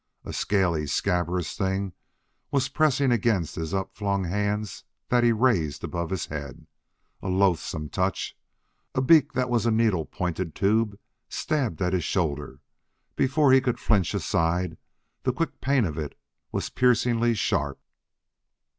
A scaly, scabrous thing was pressing against his upflung hands that he raised above his head a loathsome touch! A beak that was a needle pointed tube stabbed his shoulder before he could flinch aside: the quick pain of it was piercingly sharp....